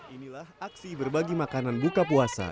inilah aksi berbagi makanan buka puasa